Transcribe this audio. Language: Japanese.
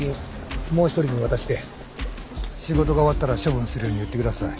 もう一人に渡して仕事が終わったら処分するように言ってください。